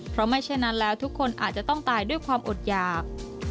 เพราะไม่เช่นนั้นแล้วทุกคนอาจจะต้องตายด้วยความอดหยาก